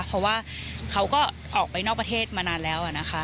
เพราะว่าเขาก็ออกไปนอกประเทศมานานแล้วนะคะ